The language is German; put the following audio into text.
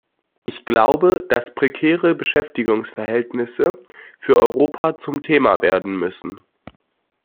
Ich glaube, dass prekäre Beschäftigungsverhältnisse für Europa zum Thema werden müssen.